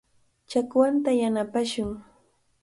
Chakwanta yanapashun.